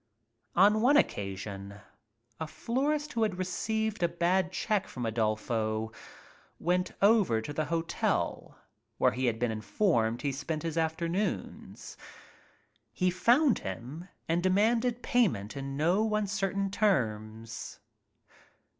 "On one occasion a florist who had received a bad check from Adolfo went over to the hotel, where he had been informed he spent his afternoons. He found him and demanded payment in no un certain terms.